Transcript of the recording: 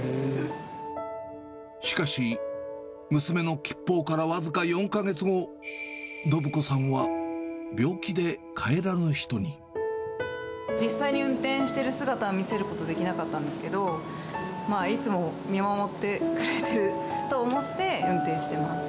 しかし、娘の吉報から僅か４か月後、実際に運転している姿を見せることできなかったんですけど、まあ、いつも見守ってくれている